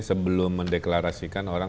sebelum mendeklarasikan orang